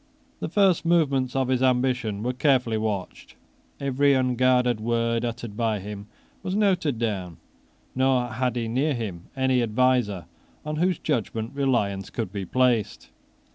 The first movements of his ambition were carefully watched: every unguarded word uttered by him was noted down; nor had he near him any adviser on whose judgment reliance could be placed.